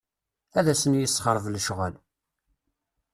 Ad asen-yessexreb lecɣal.